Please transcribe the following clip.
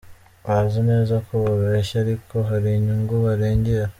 Bazi neza ko babeshya ariko hari inyungu barengera.